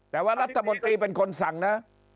แต่ว่ารัฐมนตรีเป็นคนสั่งนะ